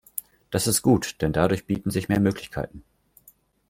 Das ist gut, denn dadurch bieten sich mehr Möglichkeiten.